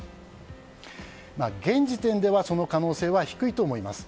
現時点ではその可能性は低いと思います。